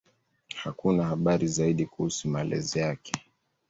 Hakuna habari zaidi kuhusu malezi yake.